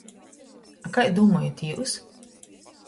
A kai dūmojat jius?